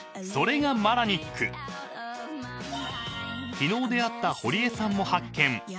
［昨日出会った堀江さんも発見］